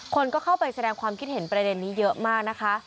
คนก็เข้าไปแสดงความคิดเห็นประเด็นนี้เยอะมากนะคะ